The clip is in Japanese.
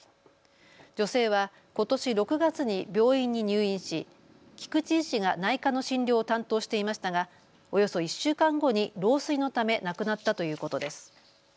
女性はことし６月に病院に入院し菊池医師が内科の診療を担当していましたが、およそ１週間後に老衰のため亡くなったということです。